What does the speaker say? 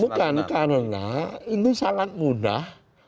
bukan karena ini sangat mudah